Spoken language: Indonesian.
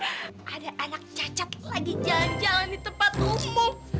ada anak cacat lagi jalan jalan di tempat umum